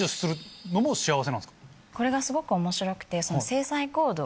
これがすごく面白くて。